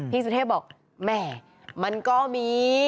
สุเทพบอกแหม่มันก็มี